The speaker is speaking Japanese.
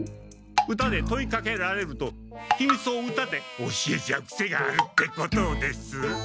歌で問いかけられるとひみつを歌で教えちゃうくせがあるってことをです。